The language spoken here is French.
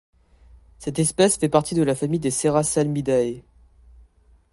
Cette espèce fait partie de la famille des Serrasalmidae.